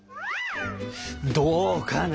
どうかな。